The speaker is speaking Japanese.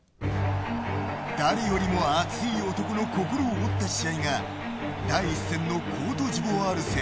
誰よりも熱い男の心を折った試合が第１戦のコートジボワール戦。